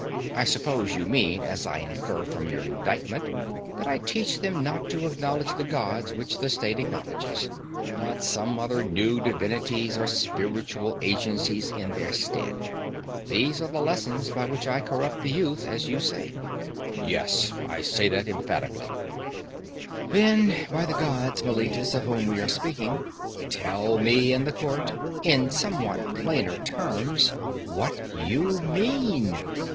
I suppose you mean, as I infer from your indictment, that I teach them not to acknowledge the gods which the state acknowledges, but some other new divinities or spiritual agencies in their stead. These are the lessons by which I corrupt the youth, as you say. Yes, that I say emphatically. Then, by the gods, Meletus, of whom we are speaking, tell me and the court, in somewhat plainer terms, what you mean!